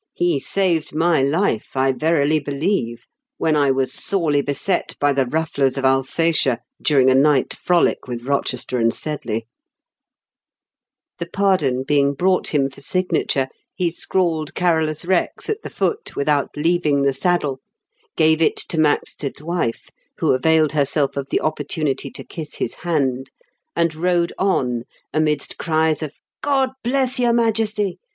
" He saved my life, I verily believe, when I was sorely beset by the rufflers of Alsatia during a night frolic with Eochester and Sedley." The pardon being brought him for signa ture, he scrawled Car. R. at the foot with out leaving the saddle, gave it to Maxted's wife, who availed herself of the opportunity to kiss his hand, and rode on amidst cries of " God bless your Majesty